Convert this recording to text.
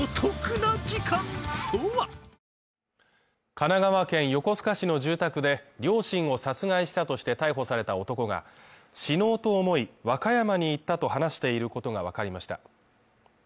神奈川県横須賀市の住宅で両親を殺害したとして逮捕された男が死のうと思い、和歌山に行ったと話していることがわかりました。